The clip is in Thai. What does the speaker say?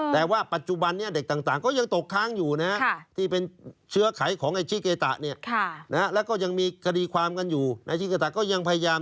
แต่ว่าปัจจุบันเนี่ยเด็กต่างก็ยังตกค้างอยู่นะครับ